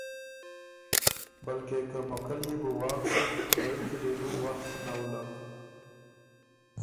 بلکې که موقعه ليې بو واک سُک کُورئ کی لې بو وخت نوُلّک۔